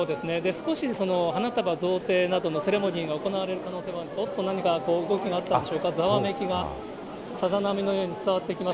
少し花束贈呈などのセレモニーが行われる可能性が、おっと、何か動きがあったんでしょうか、ざわめきがさざなみのように伝わってきました。